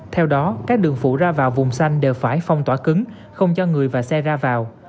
theo đó các đường phụ ra vào vùng xanh đều phải phong tỏa cứng không cho người và xe ra vào